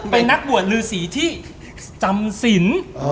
เป็นนักบวชลือสีที่จำสิน